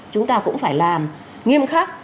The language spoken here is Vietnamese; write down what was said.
chúng ta cũng phải làm nghiêm khắc